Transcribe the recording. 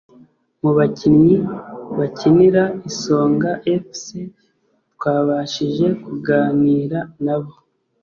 Mu bakinnyi bakinira Isonga Fc twabashije kuganira nabo